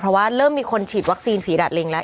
เพราะว่าเริ่มมีคนฉีดวัคซีนฝีดาดลิงแล้ว